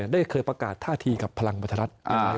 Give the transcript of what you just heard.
ได้เคยประกาศท่าทีกับพลังประชารัฐ